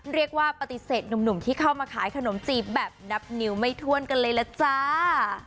เรียกว่าปฏิเสธหนุ่มที่เข้ามาขายขนมจีบแบบนับนิ้วไม่ถ้วนกันเลยล่ะจ้า